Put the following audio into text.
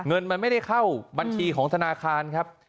เงินมันไม่ได้เข้าบัญชีของธนาคารครับ